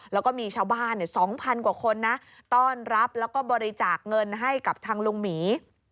แล้วก็มีชาวบ้าน๒๐๐กว่าคนนะต้อนรับแล้วก็บริจาคเงินให้กับทางลุงหมี